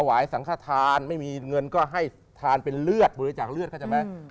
สังขทานไม่มีเงินก็ให้ทานเป็นเลือดบริจาคเลือดเข้าใจไหม